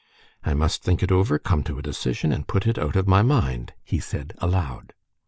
"I must think it over, come to a decision, and put it out of my mind," he said aloud.